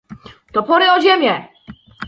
Topory o ziemię!